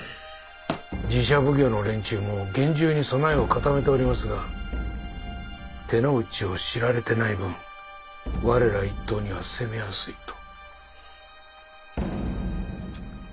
寺社奉行の連中も厳重に備えを固めておりますが手の内を知られてない分我ら一党には攻めやすいと。